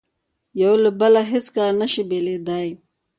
یو له بله هیڅکله نه شي بېلېدای.